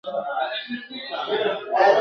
نور یې « آیة » بولي زه یې بولم «مُنانۍ»!.